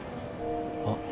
あっ。